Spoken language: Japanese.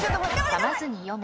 かまずに読め。